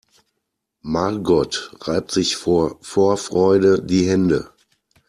Margot reibt sich vor Vorfreude die Hände.